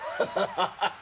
ハハハハ。